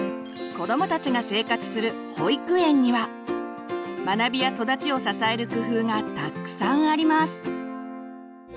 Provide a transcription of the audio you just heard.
子どもたちが生活する保育園には学びや育ちを支える工夫がたくさんあります。